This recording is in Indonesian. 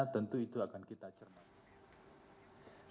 tentu itu akan kita cermati